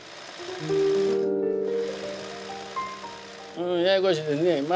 うんややこしいでんね。